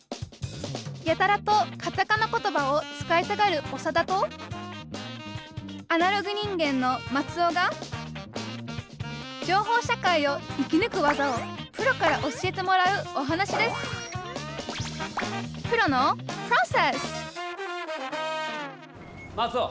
やたらとカタカナ言葉を使いたがるオサダとアナログ人間のマツオが情報社会を生きぬく技をプロから教えてもらうお話ですマツオ！